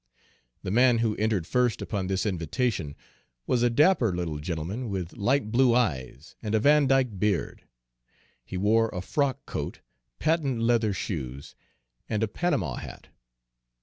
The man who entered first upon this invitation was a dapper little gentleman with light blue eyes and a Vandyke beard. He wore a frock coat, patent leather shoes, and a Panama hat.